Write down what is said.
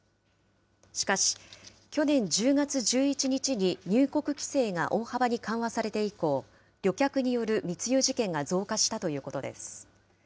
しかし、去年１０月１１日に入国規制が大幅に緩和されて以降、旅客による密輸事件が増加したということです。